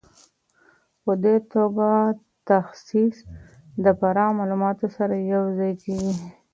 په دې توګه تخصص د پراخ معلوماتو سره یو ځای کیږي.